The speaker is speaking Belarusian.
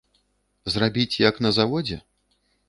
Зрабіць як на заводзе?